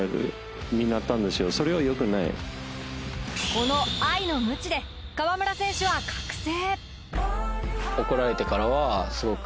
この愛の鞭で河村選手は覚醒！